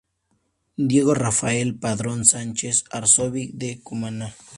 Diego Rafael Padrón Sánchez, Arzobispo de Cumaná.